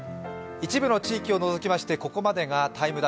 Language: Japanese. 一部の地域を除きましてここまでが「ＴＩＭＥ’」。